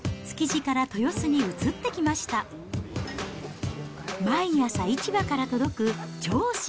２０１９年、築地から豊洲に移ってきました。